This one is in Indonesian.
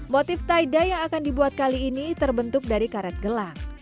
motif taida yang akan dibuat kali ini terbentuk dari karet gelang